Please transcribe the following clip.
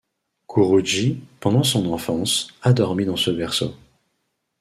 Guru ji, pendant son enfance, a dormi dans ce berceau.